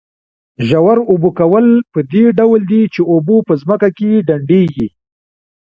ژور اوبه کول په دې ډول دي چې اوبه په ځمکه کې ډنډېږي.